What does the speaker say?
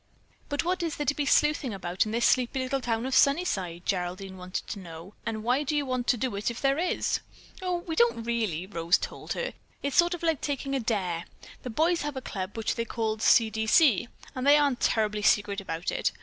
"But what is there to be sleuthing about in this sleepy little town of Sunnyside?" Geraldine wanted to know. "And why do you want to do it if there is?" "O, we don't really," Rose told her. "It's sort of like taking a dare. The boys have a club which they call 'C. D. C.,' and they're terribly secret about it.